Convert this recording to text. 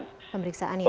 pemeriksaan ya pak